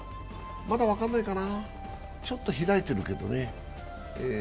まだ分かんないかな、ちょっと開いてるけどね。